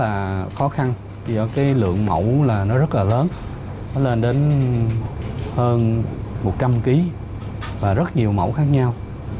rất là khó khăn do cái lượng mẫu là nó rất là lớn nó lên đến hơn một trăm linh kg và rất nhiều mẫu khác nhau